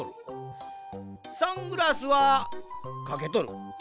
サングラスはかけとる。